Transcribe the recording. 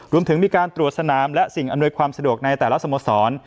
รวมถึงมีการตรวจสนามและสิ่งอำนวยความสะดวกในแต่ละสโมสร